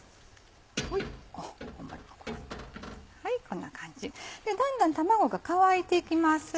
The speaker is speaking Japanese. こんな感じどんどん卵が乾いていきます。